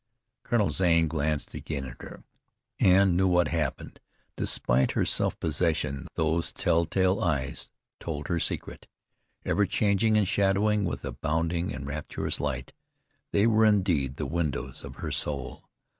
Colonel Zane glanced again at her, and knew what had happened. Despite her self possession those tell tale eyes told her secret. Ever changing and shadowing with a bounding, rapturous light, they were indeed the windows of her soul.